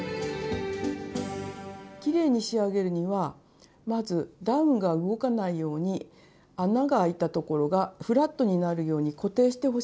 きれいに仕上げるにはまずダウンが動かないように穴があいたところがフラットになるように固定してほしいんです。